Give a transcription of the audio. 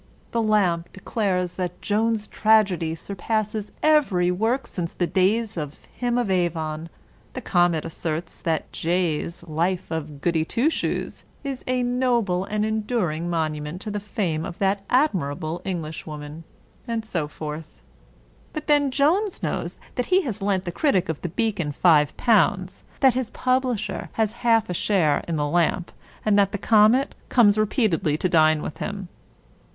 The Lamp declares that Jones's tragedy sur passes every work since the days of Him of Avon." The Comet asserts that " J's * Life of Goody Twoshoes ' is a Xt^/wt €9 d€t, a noble and enduring monument to the fame of that admirable Englishwoman," and so forth. But then Jones knows that he has lent the critic of the Beacon five pounds; that his publisher has a half share in the Lamp; and that the Comet comes repeatedly to dine with him.